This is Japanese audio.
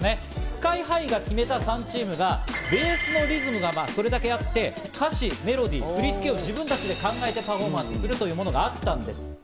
ＳＫＹ−ＨＩが決めた３チームがベースのリズムがあって、歌詞、メロディー、振り付けを自分たちで考えてパフォーマンスするというものがあったんです。